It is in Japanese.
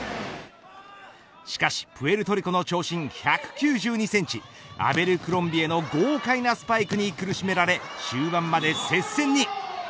しかしプエルトリコの長身１９２センチアベルクロンビエの豪快なスパイクに苦しめられ終盤まで接戦に。